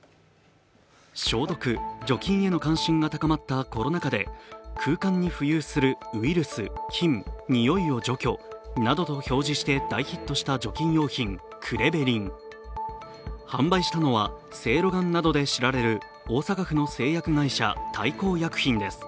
消毒・除菌への関心が高まったコロナ禍で空間に浮遊するウイルス・菌・においを除去などとして表示して大ヒットした除菌用品、クレベリン販売したのは正露丸などで知られる大阪府の製薬会社大幸薬品です。